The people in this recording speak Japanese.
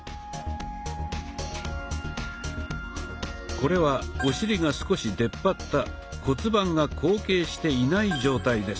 これはお尻が少し出っ張った骨盤が後傾していない状態です。